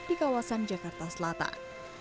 di kawasan jakarta selatan